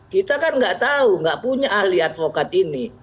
kita kan tidak tahu tidak punya ahli advokat ini